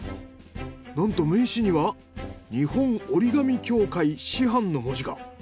なんと名刺には「日本折紙協会師範」の文字が。